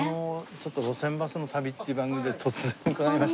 ちょっと『路線バスの旅』っていう番組で突然伺いまして。